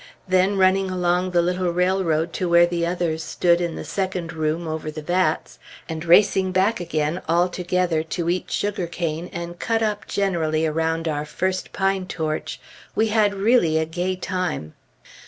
Then running along the little railroad to where the others stood in the second room over the vats, and racing back again all together to eat sugar cane and cut up generally around our first pine torch, we had really a gay time.